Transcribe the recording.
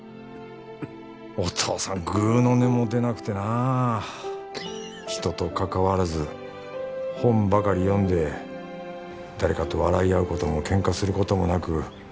お父さんぐうの音も出なくてな人とかかわらず本ばかり読んで誰かと笑い合うこともケンカすることもなく